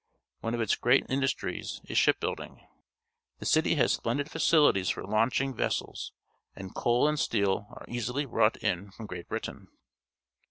One of its great industries is ship building. The city has splendid facilities for launching vessels, and coal and steel are easily brought in from Great Britain.